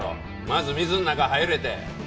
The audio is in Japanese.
まず水ん中入れって。